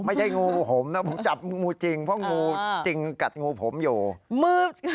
ไม่ใช่งูผมนะผมจับงูจริงเพราะงูจริงกัดงูผมอยู่มือ